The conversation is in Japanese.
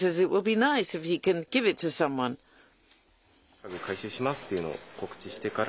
家具回収しますというのを告知してから。